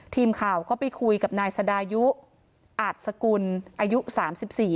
ทีมข่าวก็ไปคุยกับนายสดายุอาจสกุลอายุสามสิบสี่